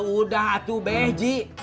udah atuh beji